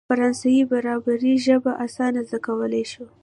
فرانسې بربري ژبه اسانه زده کولای شو.